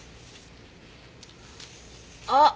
あっ！